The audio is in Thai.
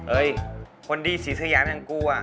เอ้ยคนดีสีสือย้ำอย่างกูอะ